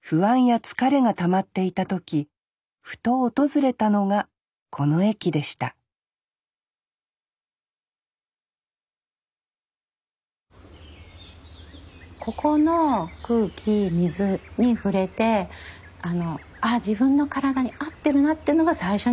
不安や疲れがたまっていた時ふと訪れたのがこの駅でしたここの空気水に触れてあ自分の体に合ってるなっていうのが最初に感じたところです。